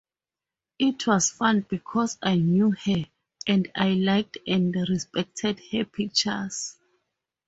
It was fun because I knew her, and I liked and respected her pictures.